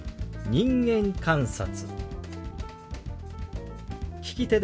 「人間観察」。